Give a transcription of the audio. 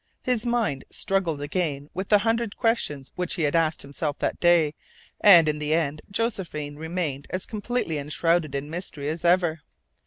His mind struggled again with the hundred questions which he had asked himself that day, and in the end Josephine remained as completely enshrouded in mystery as ever.